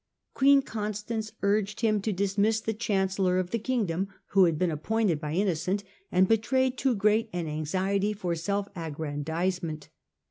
Queen Constance urged him to dismiss the Chancellor of the Kingdom, who had been appointed by Innocent and betrayed too great an anxiety for self aggrandisement.